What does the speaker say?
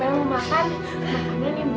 maya mau makan makanan yang buatan ibu